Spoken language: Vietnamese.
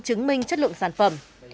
chứng minh chất lượng sản phẩm